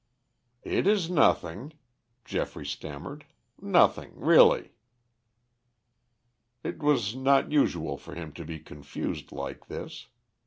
"It is nothing," Geoffrey stammered, "nothing, really." It was not usual for him to be confused like this.